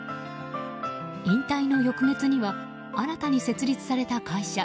引退の翌月には新たに設立された会社